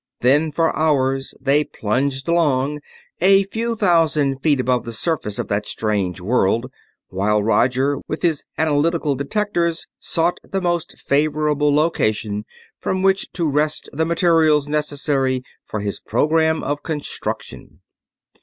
Then for hours they plunged along, a few thousand feet above the surface of that strange world, while Roger with his analytical detectors sought the most favorable location from which to wrest the materials necessary for his program of construction.